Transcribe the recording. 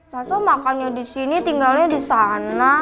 masa makannya disini tinggalnya disana